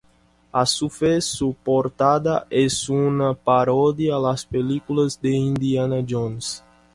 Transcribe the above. A su vez, su portada es una parodia a las películas de Indiana Jones.